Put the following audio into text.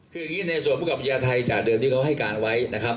คืออย่างนี้ในส่วนภูมิกับพญาไทยจากเดิมที่เขาให้การไว้นะครับ